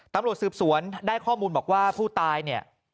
ตำรวจสืบสวนได้ข้อมูลบอกว่าผู้ตายเนี่ย